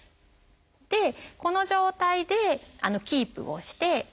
でこの状態でキープをして。